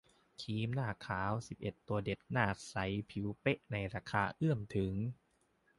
ครีมหน้าขาว สิบเอ็ด ตัวเด็ด หน้าใสผิวเป๊ะในราคาเอื้อมถึง